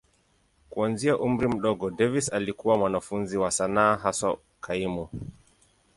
Kuanzia umri mdogo, Davis alikuwa mwanafunzi wa sanaa, haswa kaimu.